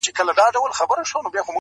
ځان یې خپل دئ نور د هر چا دښمنان!.